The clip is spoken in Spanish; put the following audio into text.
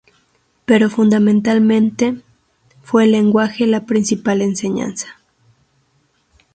Pero fundamentalmente, fue el lenguaje la principal enseñanza.